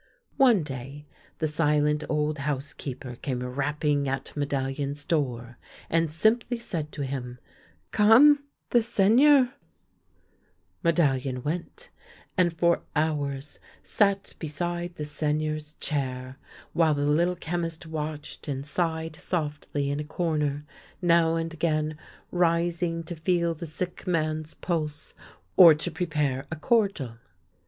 One day the silent old housekeeper came rapping at Medallion's door, and simply said to him, " Come — the Seigneur !" Medallion went, and for hours sat beside the Sei gneur's chair, while the Little Chemist watched and sighed softly in a corner, now and again rising to feel the sick man's pulse or to prepare a cordial.